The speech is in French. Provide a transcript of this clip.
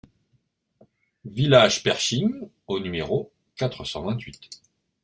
Village Pershing au numéro quatre cent vingt-huit